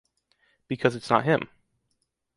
Because it's not him.